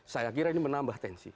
saya kira ini menambah tensi